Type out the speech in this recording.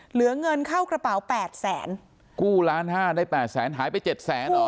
เหลือเงินเข้ากระเป๋าแปดแสนกู้ล้านห้าได้แปดแสนหายไปเจ็ดแสนเหรอ